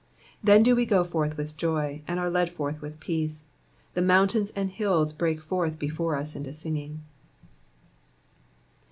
Then do we go forth with joy, and are led forth with peace ; the mountains and the hills break forth before us into singing.